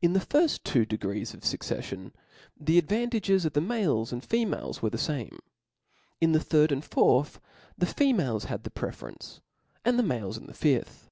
In the two firft degrees of fuccefilon, the advantages of the males and females were the fame ; in the third and fourth, the females had the preference i and the males in the fifth.